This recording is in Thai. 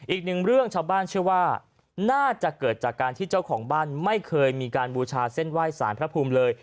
อีกหนึ่งเรื่องชาวบ้านเชื่อว่าน่าจะเกิดจากการที่เจ้าของบ้านไม่เคยมีการบูชาเส้นไหว้สารพระภูมิเลย